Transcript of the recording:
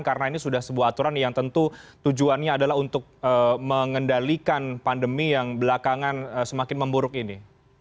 karena ini sudah sebuah aturan yang tentu tujuannya adalah untuk mengendalikan pandemi yang belakangan semakin memburuk ini